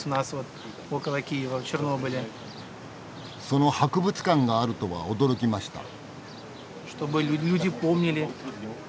その博物館があるとは驚きました。